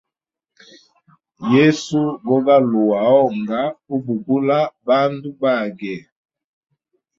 Yesu gogaluwa onga ubugula bandu bage.